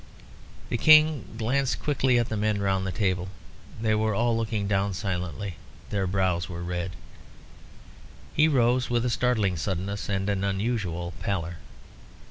The King glanced quickly at the men round the table. They were all looking down silently: their brows were red. He rose with a startling suddenness, and an unusual pallor.